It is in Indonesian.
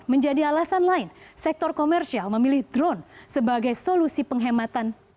menjadi alasan lain sektor komersial memilih drone sebagai solusi penghematan